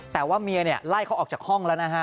แต่ว่าเมียเนี่ยไล่เขาออกจากห้องแล้วนะฮะ